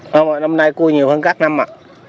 không à năm nay cua nhiều hơn các năm à